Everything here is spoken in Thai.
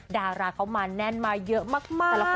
ดาราเขามาแน่นมาเยอะมากแต่ละคนสวยทรัพย์มาก